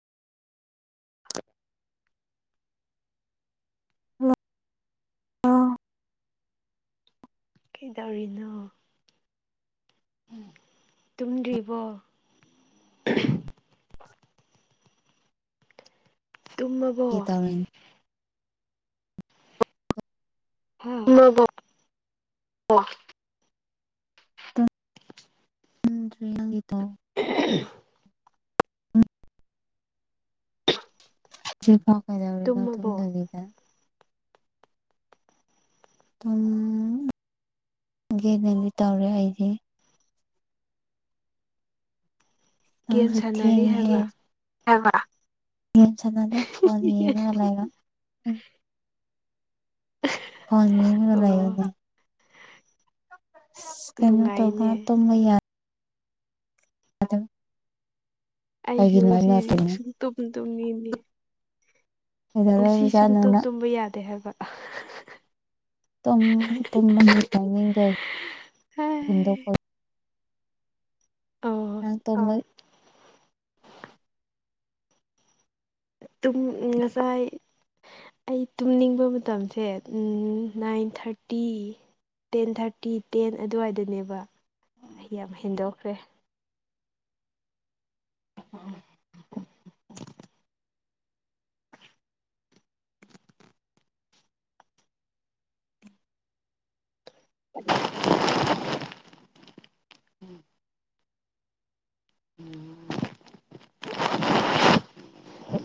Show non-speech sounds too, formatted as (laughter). ꯍ ꯍꯂ ꯑ ꯀꯩꯗꯧꯔꯤꯅꯣ ꯇꯨꯝꯗ꯭ꯔꯤꯕꯣ ꯇꯨꯝꯃ ꯒꯤ ꯇꯕꯦꯟ ꯍꯥꯥ ꯃꯒꯣ ꯎꯔꯤꯪ ꯎ ꯑ ꯁꯤ ꯄ ꯀꯗꯧ ꯅ ꯊ ꯇꯨꯝꯃꯕꯣ ꯅꯕꯤꯗ ꯑꯗꯨꯝ ꯒꯦꯅꯗꯤ ꯇꯧꯔꯦ ꯑꯩꯁ ꯑꯪ ꯒꯦꯝ ꯁꯤ ꯁꯥꯟꯅꯔꯤ ꯍꯦ ꯍꯥꯏꯕ ꯆꯅꯥꯗꯦ ꯐꯣꯟꯅꯤ ꯌꯦꯂꯒ ꯑꯣ ꯐꯅꯤꯒꯂꯒꯅꯤ ꯀꯩꯅꯣ ꯇꯧꯒ ꯅꯨꯡꯉꯥꯏꯅꯦ ꯇ ꯌꯥ ꯑꯗꯨ ꯑꯩꯁꯨ ꯁꯤꯗꯤ ꯇꯨꯝꯃꯤ ꯁꯨꯡ ꯇꯨꯝ ꯇꯨꯝꯃꯤꯅꯤ ꯉꯁꯤ ꯁꯨꯝ ꯀꯩꯗꯧꯔꯕꯖꯥꯠꯅꯣ ꯇꯨꯝ ꯅꯪ ꯇꯨꯝꯕ ꯌꯥꯗꯦ ꯍꯥꯏꯕ ꯨꯝ ꯑꯃ ꯇꯥꯏꯅꯤꯡꯗ ꯍꯦꯟꯗꯣꯛꯄ ꯑꯣ ꯑ ꯇꯨꯡ ꯉꯁꯥꯏ ꯑꯩ ꯇꯨꯝꯅꯤꯡꯕ ꯃꯇꯝꯁꯦ nine thirty ten thirty ten ꯑꯗꯨꯋꯥꯏꯗꯅꯦꯕ ꯑꯩ ꯌꯥꯝ ꯍꯦꯟꯗꯣꯛꯈ꯭ꯔꯦ (unintelligible) ꯎꯝ ꯎꯝ